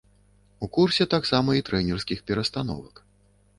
У курсе таксама і трэнерскіх перастановак.